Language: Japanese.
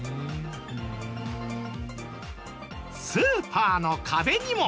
スーパーの壁にも。